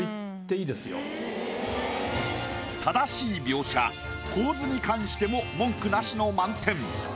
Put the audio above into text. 正しい描写構図に関しても文句なしの満点。